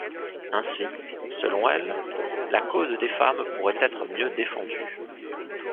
Ainsi, selon elle, la cause des femmes pourrait être mieux défendue.